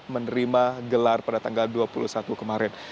menerima gelar pada tanggal dua puluh satu kemarin